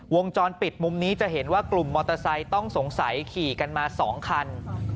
วงจรปิดมุมนี้จะเห็นว่ากลุ่มมอเตอร์ไซค์ต้องสงสัยขี่กันมา๒คัน